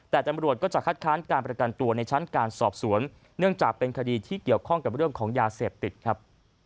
แต่ตำรวจก็จะคัดค้านการประกันตัวในชั้นการสอบสวนเนื่องจากเป็นคดีที่เกี่ยวข้องกับเรื่องของยาเสพติดครับ